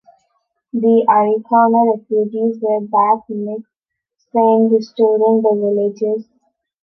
The Arikara refugees were back next spring, restoring the villages.